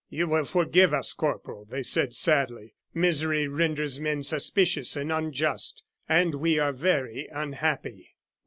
"You will forgive us, Corporal," they said, sadly. "Misery renders men suspicious and unjust, and we are very unhappy."